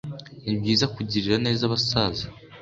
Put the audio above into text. nibyiza kugirira neza abasaza